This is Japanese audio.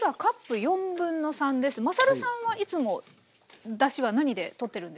まさるさんはいつもだしは何でとってるんですか？